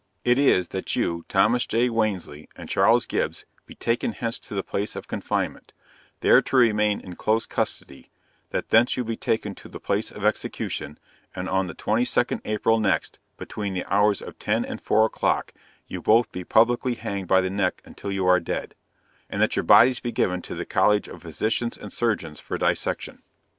It is, that you, Thomas J. Wansley and Charles Gibbs be taken hence to the place of confinement, there to remain in close custody, that thence you be taken to the place of execution, and on the 22d April next, between the hours of 10 and 4 o'clock, you be both publicly hanged by the neck until you are DEAD and that your bodies be given to the College of Physicians and Surgeons for dissection.